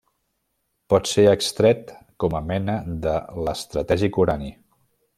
Pot ser extret com a mena de l'estratègic urani.